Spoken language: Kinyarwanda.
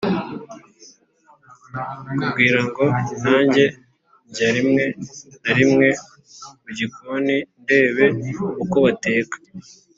kumbwira ngo ninge njya rimwe na rimwe mu gikoni ndebe uko bateka